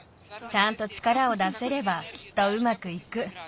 ちゃんと力を出せればきっとうまくいく。